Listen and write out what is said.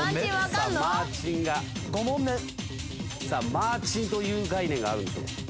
マーチンという概念があるんでしょうか。